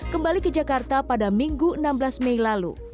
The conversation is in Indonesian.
kembali ke jakarta pada minggu enam belas mei lalu